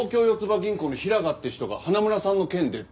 銀行の平賀って人が花村さんの件でって。